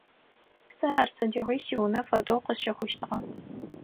Сэ ар сыдигъуи сиунэ фэдэу къысщыхъущтыгъэ.